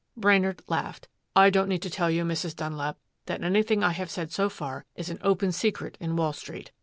Brainard laughed. "I don't need to tell you, Mrs. Dunlap, that anything I have said so far is an open secret in Wall Street.